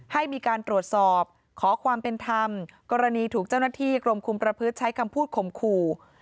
ให้มีการตรวจสอบขอความเป็นธรรมกรณีถูกเจ้าหน้าที่กรมคุมประพฤติใช้คำพูดข่มขู่